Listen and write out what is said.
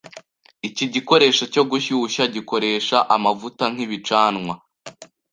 Iki gikoresho cyo gushyushya gikoresha amavuta nkibicanwa.